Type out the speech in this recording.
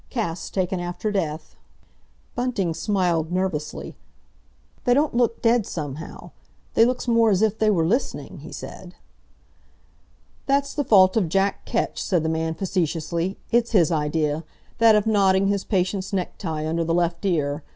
"Casts taken after death." Bunting smiled nervously. "They don't look dead somehow. They looks more as if they were listening," he said. "That's the fault of Jack Ketch," said the man facetiously. "It's his idea—that of knotting his patient's necktie under the left ear!